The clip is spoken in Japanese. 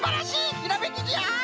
ひらめきじゃ！